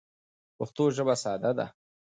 پښتو ژبه ساده ده.